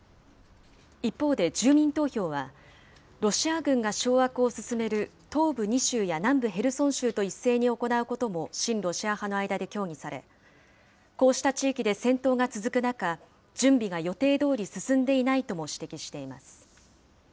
一方で住民投票は、ロシア軍が掌握を進める東部２州や南部ヘルソン州と一斉に行うことも親ロシア派の間で協議され、こうした地域で戦闘が続く中、準備が予定どおり進んでいないとも指摘しています。